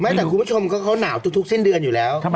แต่คุณผู้ชมเขาหนาวทุกสิ้นเดือนอยู่แล้ว